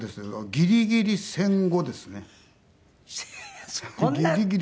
ギリギリ戦後ですね。